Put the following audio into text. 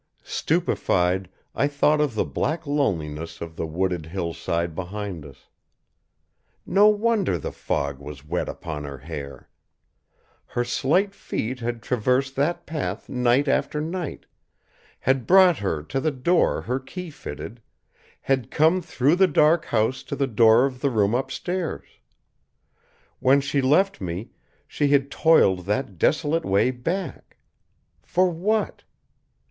Stupefied, I thought of the black loneliness of the wooded hillside behind us. No wonder the fog was wet upon her hair! Her slight feet had traversed that path night after night, had brought her to the door her key fitted, had come through the dark house to the door of the room upstairs. When she left me, she had toiled that desolate way back. For what?